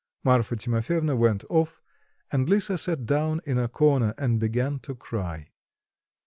Marfa Timofyevna went off, and Lisa sat down in a corner and began to cry.